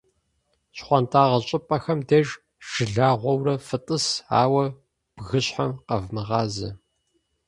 Щхуантӏагъэ щӀыпӀэхэм деж жылагъуэурэ фытӀыс, ауэ бгыщхьэм къэвмыгъазэ.